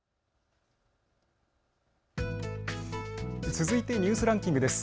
続いてニュースランキングです。